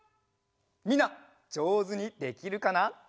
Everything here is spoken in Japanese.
みんなじょうずにできるかな？